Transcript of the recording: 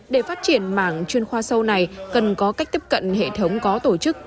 để phát triển mảng chuyên khoa sâu này cần có cách tiếp cận hệ thống có tổ chức